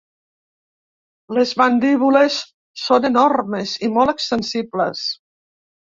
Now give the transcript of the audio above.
Les mandíbules són enormes i molt extensibles.